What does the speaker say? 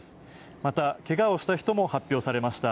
また、けがをした人も発表されました。